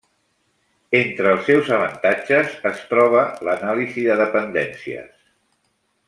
Entre els seus avantatges es troba l'anàlisi de dependències.